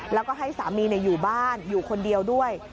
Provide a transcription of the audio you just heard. แล้วก็ให้สามีอยู่บ้านอยู่คนเดียวด้วย